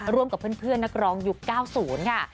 ร่วมกับเพื่อนนักร้องยุค๙๐ค่ะ